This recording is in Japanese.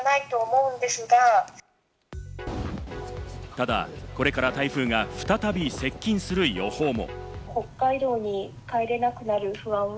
ただ、これから台風が再び接近する予報も。